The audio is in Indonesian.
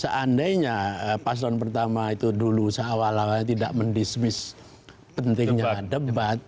seandainya pas lon pertama itu dulu seawal awalnya tidak mendismiss pentingnya debat